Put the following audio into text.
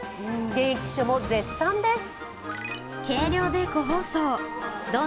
現役秘書も絶賛です。